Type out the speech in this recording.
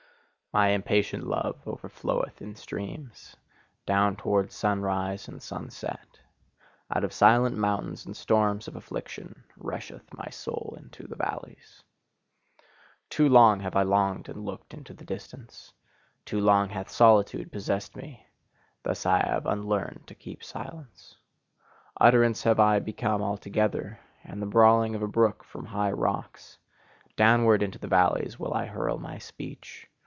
My impatient love overfloweth in streams, down towards sunrise and sunset. Out of silent mountains and storms of affliction, rusheth my soul into the valleys. Too long have I longed and looked into the distance. Too long hath solitude possessed me: thus have I unlearned to keep silence. Utterance have I become altogether, and the brawling of a brook from high rocks: downward into the valleys will I hurl my speech.